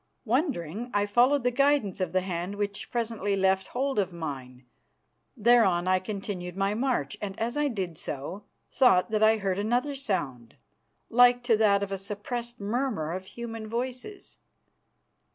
Wondering, I followed the guidance of the hand, which presently left hold of mine. Thereon I continued my march, and as I did so, thought that I heard another sound, like to that of a suppressed murmur of human voices.